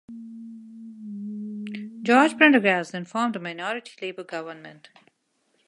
George Prendergast then formed a minority Labor government.